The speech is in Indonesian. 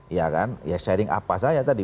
ya kan sharing apa saja tadi